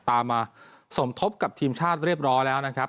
ตามมาสมทบกับทีมชาติเรียบร้อยแล้วนะครับ